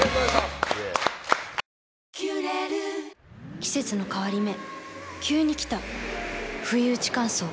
季節の変わり目急に来たふいうち乾燥。